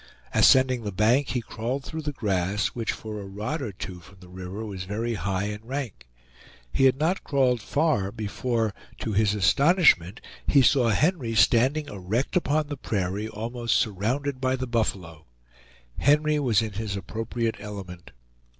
Ascending the bank, he crawled through the grass, which for a rod or two from the river was very high and rank. He had not crawled far before to his astonishment he saw Henry standing erect upon the prairie, almost surrounded by the buffalo. Henry was in his appropriate element.